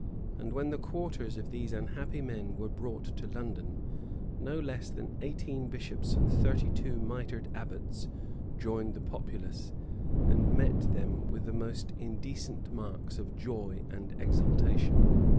And when the quarters of these unhappy men were brought to London, no less than eighteen bishops and thirty two mitred abbots joined the populace, and met them with the most indecent marks of joy and exultation.